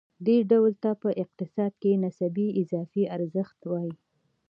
دې ډول ته په اقتصاد کې نسبي اضافي ارزښت وايي